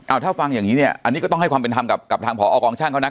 เอาถ้าฟังอย่างนี้เนี่ยอันนี้ก็ต้องให้ความเป็นธรรมกับทางผอกองช่างเขานะ